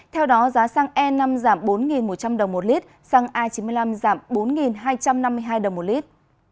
theo đó giá xăng e năm giảm bốn một trăm linh đồng một lít xăng a chín mươi năm giảm bốn hai trăm năm mươi hai đồng một lít